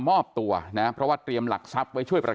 จนกระทั่งหลานชายที่ชื่อสิทธิชัยมั่นคงอายุ๒๙เนี่ยรู้ว่าแม่กลับบ้าน